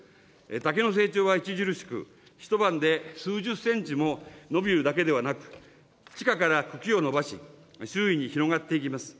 竹の成長は著しく、一晩で数十センチも伸びるだけではなく、地下から茎を伸ばし、周囲に広がっていきます。